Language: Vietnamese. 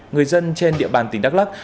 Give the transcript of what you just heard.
người dân trên địa bàn tỉnh đắk lắc